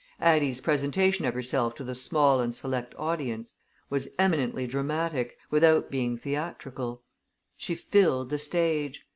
Addie's presentation of herself to the small and select audience was eminently dramatic, without being theatrical. She filled the stage.